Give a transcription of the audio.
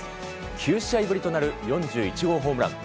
９試合ぶりとなる４１号ホームラン。